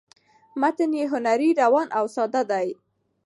متن یې هنري ،روان او ساده دی